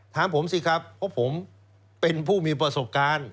ถามผมสิครับเพราะผมเป็นผู้มีประสบการณ์